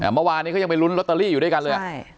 เมื่อวานนี้เขายังไปลุ้นลอตเตอรี่อยู่ด้วยกันเลย